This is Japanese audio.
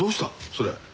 それ。